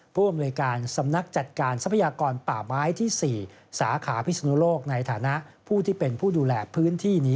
ผู้อำนวยการสำนักจัดการทรัพยากรป่าไม้ที่๔สาขาพิศนุโลกในฐานะผู้ที่เป็นผู้ดูแลพื้นที่นี้